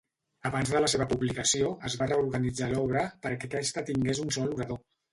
Abans de la seva publicació, es va reorganitzar l'obra perquè aquesta tingués un sol orador.